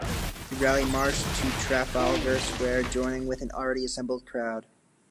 The rally marched to Trafalgar Square, joining with an already assembled crowd.